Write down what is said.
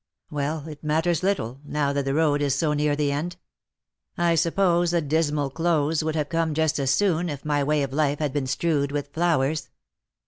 Well, it matters little, now that the road is so near the end. I suppose the dismal <jlose would have come just as soon if my way of life had been strewed with flowers.